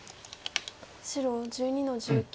白１２の十九。